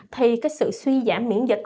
thì sự suy giảm miễn dịch